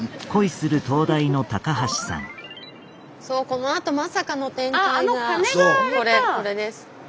このあとまさかの展開がこれです。